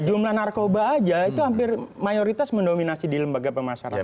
jumlah narkoba aja itu hampir mayoritas mendominasi di lembaga pemasyarakatan